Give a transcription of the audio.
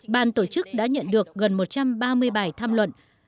ban tổ chức đã nhận được gần một trăm ba mươi bài tham luận